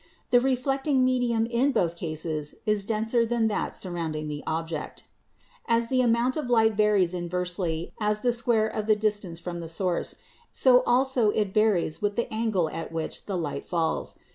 The reflecting medium in both cases is denser than that sur rounding the object. As the amount of light varies inversely as the square of the distance from the source, so it also varies with the angle at which the light falls.